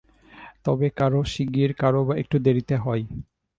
তবে কারও শীগগীর, কারও বা একটু দেরীতে হয়।